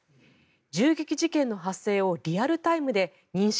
銃撃事件の発生をリアルタイムで認識